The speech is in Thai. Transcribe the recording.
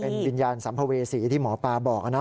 เป็นวิญญาณสัมภเวษีที่หมอปลาบอกนะ